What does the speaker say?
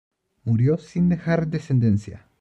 Murió sin dejar descendencia.